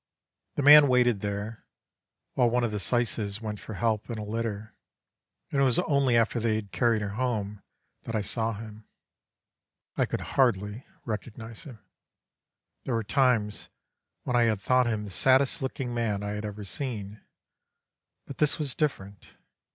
"The man waited there, while one of the syces went for help and a litter, and it was only after they had carried her home that I saw him. I could hardly recognise him. There were times when I had thought him the saddest looking man I had ever seen, but this was different.